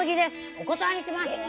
お断りします！